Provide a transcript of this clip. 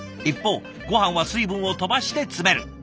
一方ごはんは水分を飛ばして詰める。